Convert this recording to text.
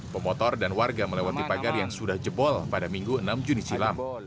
pemotor dan warga melewati pagar yang sudah jebol pada minggu enam juni silam